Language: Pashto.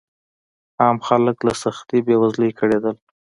عام خلک له سختې بېوزلۍ کړېدل.